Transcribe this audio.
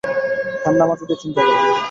ঠান্ডা মাথা দিয়ে চিন্তা করুন।